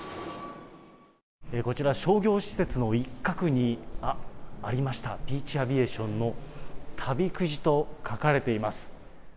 こちら、商業施設の一画に、ありました、ピーチアビエーションの旅くじと書かれています。